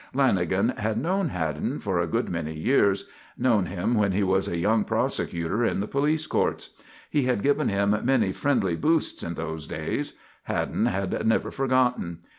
Lanagan had known Haddon for a good many years; known him when he was a young prosecutor in the police courts. He had given him many friendly "boosts" in those days. Haddon had never forgotten.